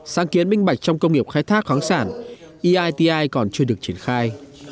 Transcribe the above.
sáng kiến minh bạch trong công nghiệp khai thác khoáng sản eiti còn chưa được triển khai